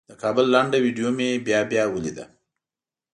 د کابل لنډه ویډیو مې بیا بیا ولیده.